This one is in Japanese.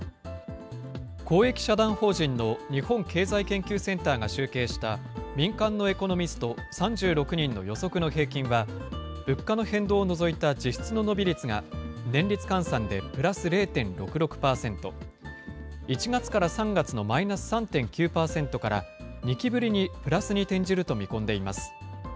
公益社団法人の日本経済研究センターが集計した、民間のエコノミスト３６人の予測の平均は、物価の変動を除いた実質の伸び率が年率換算でプラス０．６６％、１月から３月のマイナス３．９％から、２期ぶりにプラスに転じると見込んでいます。